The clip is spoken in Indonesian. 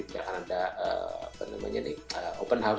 tidak akan ada open house